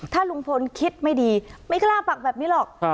ถ้าลุงพลคิดไม่ดีไม่กล้าปักแบบนี้หรอก